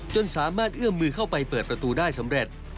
จนสามารถเอื้อมมือเข้าไปเปิดประตูได้สำเร็จ